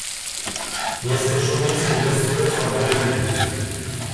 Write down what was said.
Я скажу несколько слов о драме.